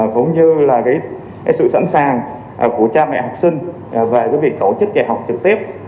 cũng như sự sẵn sàng của cha mẹ học sinh về việc tổ chức kẻ học trực tiếp